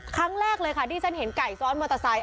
ครั้งแรกเลยค่ะที่ฉันเห็นไก่ซ้อนมอเตอร์ไซค